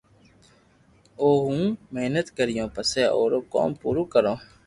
او ھون ح محنت ڪرو پسو آئرو ڪوم پورو ڪرو